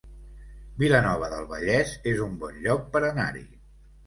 Vilanova del Vallès es un bon lloc per anar-hi